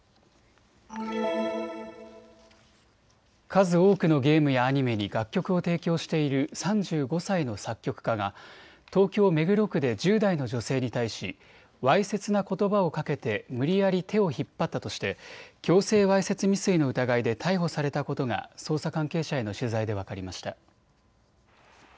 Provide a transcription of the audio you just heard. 数多くのゲームやアニメに楽曲を提供している３５歳の作曲家が東京目黒区で１０代の女性に対しわいせつなことばをかけて無理やり手を引っ張ったとして強制わいせつ未遂の疑いで逮捕されたことが捜査関係者への取材で分かりました。